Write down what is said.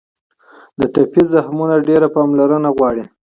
د ټپي زخمونه ډېره پاملرنه غواړي.